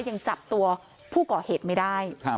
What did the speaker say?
ยังจับตัวผู้ก่อเหตุไม่ได้